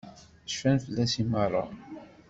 Cfan fell-as i meṛṛa.